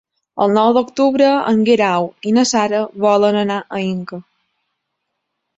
El nou d'octubre en Guerau i na Sara volen anar a Inca.